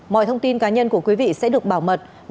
mọi thông tin cá nhân của quý vị sẽ được bảo mật và sẽ có phép